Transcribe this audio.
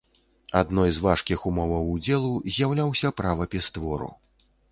Адной з важкіх умоваў удзелу з'яўляўся правапіс твору.